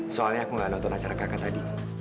soalnya aku nggak nonton acara kakak tadi